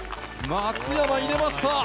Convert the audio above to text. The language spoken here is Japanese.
松山入れました。